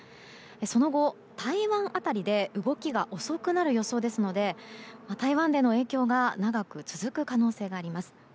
その後、台湾辺りで動きが遅くなる予想ですので台湾での影響が長く続く可能性があります。